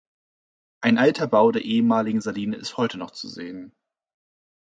Ein alter Bau der ehemaligen Saline ist heute noch zu sehen.